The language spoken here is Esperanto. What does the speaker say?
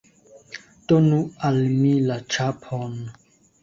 Donu al mi la ĉapon!